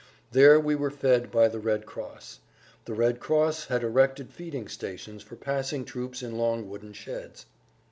There we were fed by the Red Cross. The Red Cross had erected feeding stations for passing troops in long wooden sheds.